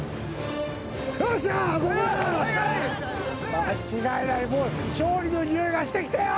間違いないもう勝利のにおいがしてきたよ！